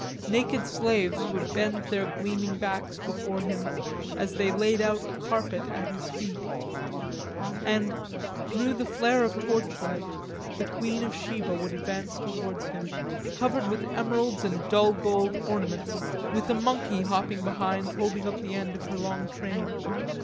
Naked slaves would bend their gleaming backs before him as they laid out a carpet at his feet; and, through the flare of torchlight, the Queen, of Sheba would advance towards him, covered with emeralds and dull gold ornaments, with a monkey hopping behind holding up the end of her long train.